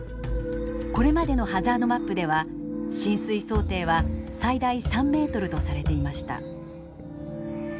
これまでのハザードマップでは浸水想定は最大３ｍとされていました。